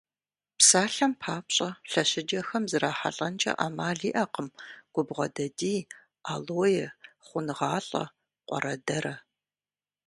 Псалъэм папщӏэ, лъэщыджэхэм зрахьэлӏэнкӏэ ӏэмал иӏэкъым губгъуэдадий, алоэ, хъунгъалӏэ, къуэрэдэрэ.